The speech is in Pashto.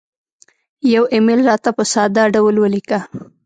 یو ایمیل راته په ساده ډول ولیکه